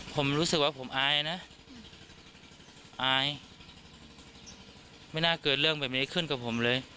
ผมรู้สึกว่าผมอายนะอายไม่น่าเกิดเรื่องแบบนี้ขึ้นกับผมเลย